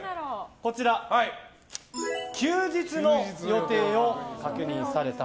休日の予定を確認された。